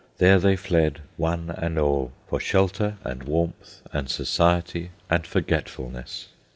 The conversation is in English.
There they fled, one and all, for shelter, and warmth, and society, and forgetfulness.